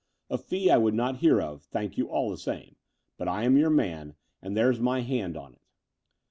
A fee I would not hear of, thank you all the same: but I am your man, and there's my hand on it."